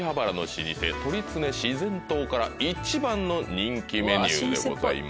から一番の人気メニューでございます。